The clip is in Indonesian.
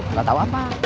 nggak tahu apa